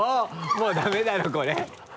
もうダメだろこれ